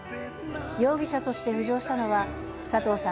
容疑者として浮上したのは、佐藤さん